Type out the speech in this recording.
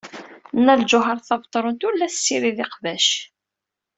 Nna Lǧuheṛ Tabetṛunt ur la tessirid iqbac.